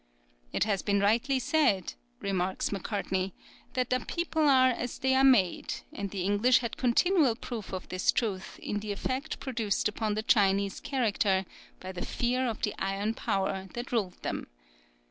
"It has been rightly said," remarks Macartney, "that a people are as they are made, and the English had continual proof of this truth in the effect produced upon the Chinese character by the fear of the iron power that ruled them.